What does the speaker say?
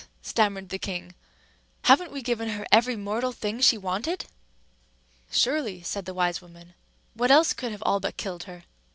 stammered the king. "Haven't we given her every mortal thing she wanted?" "Surely," said the wise woman: "what else could have all but killed her?